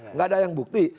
enggak ada yang bukti